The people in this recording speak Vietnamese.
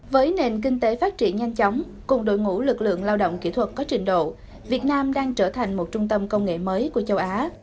với nền kinh tế phát triển nhanh chóng cùng đội ngũ lực lượng lao động kỹ thuật có trình độ việt nam đang trở thành một trung tâm công nghệ mới của châu á